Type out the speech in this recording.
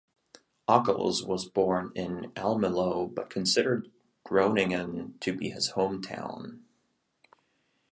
Ockels was born in Almelo but considered Groningen to be his hometown.